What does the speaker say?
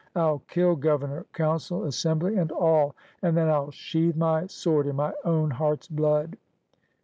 1*11 kill Governor, Council, Assembly and all, and then 1*11 sheathe my sword in my own heart*s blood!